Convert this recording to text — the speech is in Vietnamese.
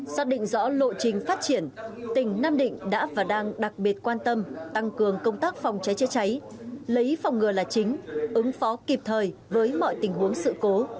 xác định rõ lộ trình phát triển tỉnh nam định đã và đang đặc biệt quan tâm tăng cường công tác phòng cháy chữa cháy lấy phòng ngừa là chính ứng phó kịp thời với mọi tình huống sự cố